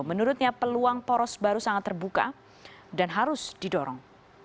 menurutnya peluang poros baru sangat terbuka dan harus didorong